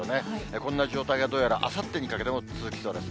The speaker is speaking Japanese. こんな状態がどうやらあさってにかけても続きそうです。